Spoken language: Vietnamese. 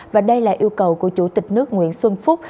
và đây là yêu cầu của chủ tịch nước nguyễn xuân phúc